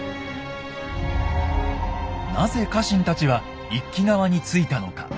なぜ家臣たちは一揆側についたのか。